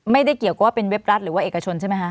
ไม่ได้เกี่ยวกับว่าเป็นเว็บรัฐหรือว่าเอกชนใช่ไหมคะ